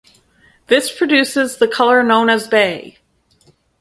This produces the color known as bay.